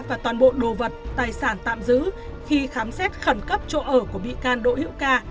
và toàn bộ đồ vật tài sản tạm giữ khi khám xét khẩn cấp chỗ ở của bị can đỗ hữu ca